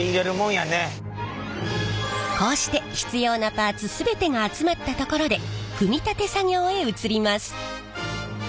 こうして必要なパーツ全てが集まったところで組み立て作業へ移ります。